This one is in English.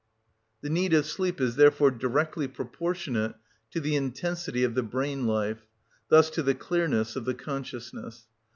The need of sleep is therefore directly proportionate to the intensity of the brain life, thus to the clearness of the consciousness.